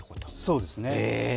そうですね。